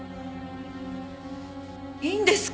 いいんですか？